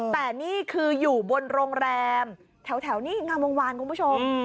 แต่นี่คืออยู่บนโรงแรมแถวนี่งามวงวานคุณผู้ชม